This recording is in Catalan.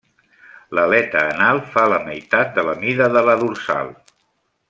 L'aleta anal fa la meitat de la mida de la dorsal.